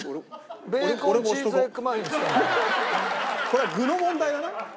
これは具の問題だな。